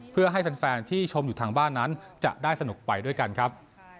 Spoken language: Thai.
เพื่อให้แฟนที่ชมอยู่ทางบ้านนั้นจะได้สนุกไปด้วยกันครับ